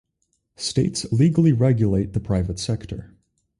States legally regulate the private sector.